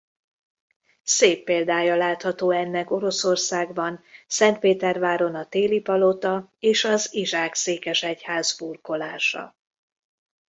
Szép példája látható ennek Oroszországban Szentpéterváron a Téli Palota és az Izsák-székesegyház burkolása.